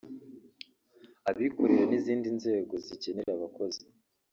abikorera n’izindi nzego zikenera abakozi